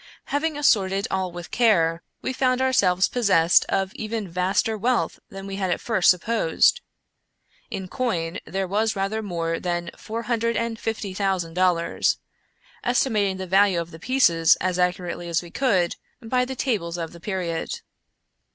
Having assorted all with care, we found ourselves possessed of even vaster wealth than we had at first sup posed. In coin there was rather more than four hundred and fifty thousand dollars — estimating the value of the pieces, as accurately as we could, by the tables of the period.